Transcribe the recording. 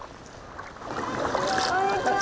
こんにちは。